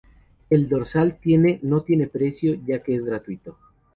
El dorsal tiene no tiene precio ya que es gratuito.